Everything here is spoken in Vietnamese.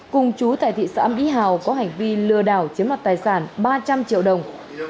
cùng chú tại thị xã mỹ hào có hành vi lừa đảo chiếm đoạt tài sản ba trăm linh triệu đồng